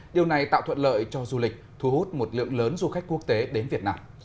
điều này tạo thuận lợi cho du lịch thu hút một lượng lớn du khách quốc tế đến việt nam